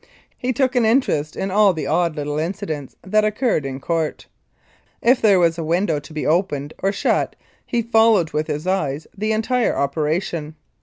He took an in:erest in all the odd little incidents that occurred in ccurt. If there were a window to be opened or shut he followed with his eyes the entire operation.